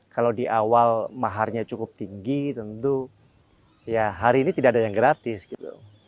kalau di awal maharnya cukup tinggi tentu ya hari ini tidak ada yang gratis gitu